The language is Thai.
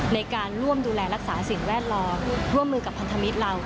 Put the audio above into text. ในการร่วมดูแลรักษาสิ่งแวดล้อมร่วมมือกับพันธมิตรเรา